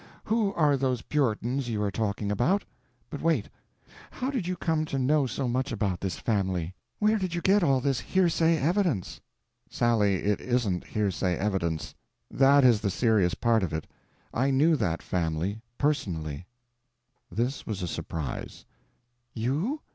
Who are those Puritans you are talking about? But wait—how did you come to know so much about this family? Where did you get all this hearsay evidence?" "Sally, it isn't hearsay evidence. That is the serious part of it. I knew that family—personally." This was a surprise. "You?